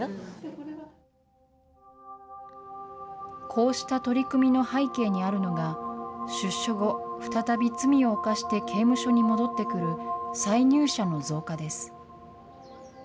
こうした取り組みの背景にあるのが、出所後、再び罪を犯して刑務所に戻ってくる、再入者の増加です。